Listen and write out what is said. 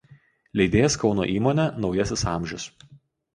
Leidėjas Kauno įmonė „Naujasis amžius“.